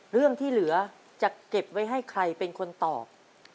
เรื่องที่เหลือจะเก็บไว้ให้ใครเป็นคนตอบ